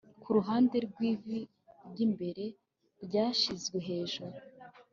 Kuruhande rwivi ryimbere ryashyizwe hejuru